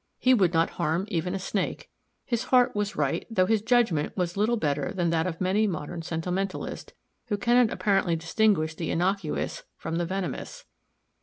He would not harm even a Snake. His heart was right, though his judgment was little better than that of many modern sentimentalists who cannot apparently distinguish the innocuous from the venemous.